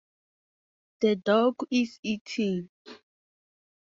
Portland's Waterfront Blues Festival is the second largest blues festival in the country.